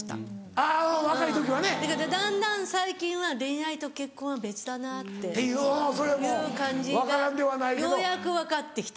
あ若い時はね。だんだん最近は恋愛と結婚は別だなっていう感じがようやく分かって来た。